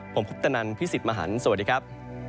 ผมพุทธนันทร์พี่สิทธิ์มหันต์สวัสดีครับ